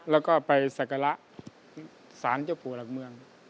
แล้วก็ไปสักการะสารเจ้าปู่หลักเมือง